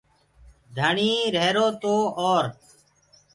ڌڻيٚ روهيرو تو اور